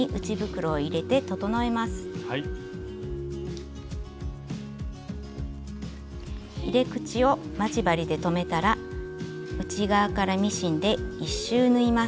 入れ口を待ち針で留めたら内側からミシンで１周縫います。